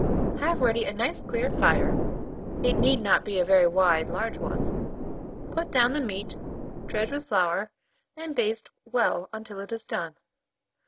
Have ready a nice clear fire (it need not be a very wide large one), put down the meat, dredge with flour, and baste well until it is done.